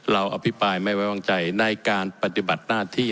เราอภิปรายไม่ไว้วางใจในการปฏิบัตินาธิ